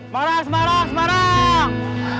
semarang semarang semarang